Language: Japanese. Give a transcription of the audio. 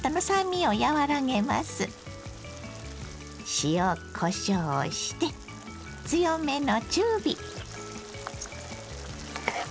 塩こしょうをして強めの中火。